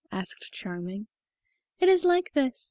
asked Charming. "It is like this.